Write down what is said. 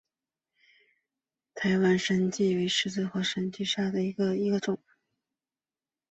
台湾山荠为十字花科山荠属下的一个种。